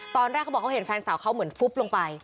ตอนแรกเขาบอกเขาเห็นแฟนสาวเขาเหมือนฟุบลงไป